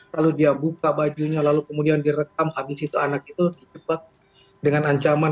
lalu dia buka bajunya lalu kemudian direkam habis itu anak itu cepat dengan ancaman kalau kamu tidak memenuhi perhatian